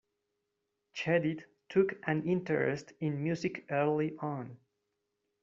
Chedid took an interest in music early on.